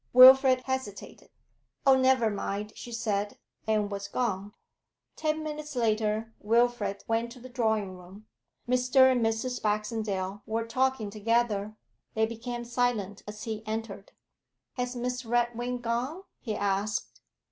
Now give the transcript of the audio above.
Wilfrid hesitated. 'Oh, never mind,' she said; and was gone. Ten minutes later Wilfrid went to the drawing room. Mr. and Mrs. Baxendale were talking together; they became silent as he entered. 'Has Miss Redwing gone?' he asked.